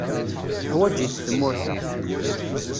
Tuḥwaǧ-it tmurt-a.